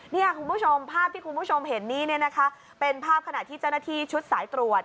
เนี่ยคุณผู้ชมภาพที่คุณผู้ชมเห็นนี้เนี่ยนะคะเป็นภาพขณะที่เจ้าหน้าที่ชุดสายตรวจ